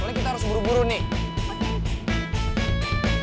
makasih ya pak